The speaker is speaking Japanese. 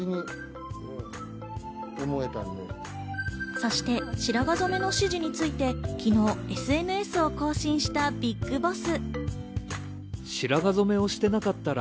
そして白髪染めの指示について昨日、ＳＮＳを更新したＢＩＧＢＯＳＳ。